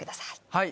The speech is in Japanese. はい。